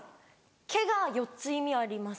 「け」が４つ意味あります。